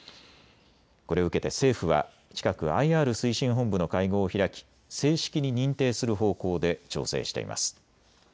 これを受けて政府は近くＩＲ推進本部の会合を開き正式に認定する方向で調整しています。